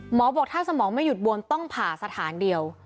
หมอบอกถ้าสมองไม่หยุดบวมต้องผ่าสถานเดียว